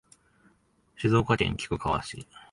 静岡県菊川市